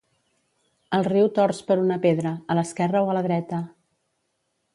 El riu torç per una pedra, a l'esquerra o a la dreta.